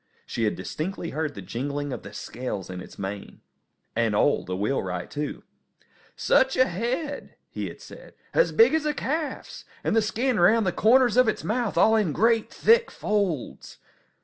She had distinctly heard the jingling of the scales in its mane. And Ole, the wheelwright, too. "Such a head!" he had said. "As big as a calf's! And the skin round the corners of its mouth all in great, thick folds!"